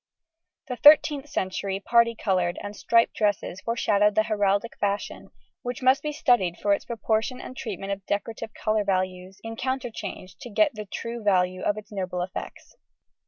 The 13th century parti coloured and striped dresses foreshadowed the heraldic fashion, which must be studied for its proportion and treatment of decorative colour values in counterchange to get the true value of its noble effects.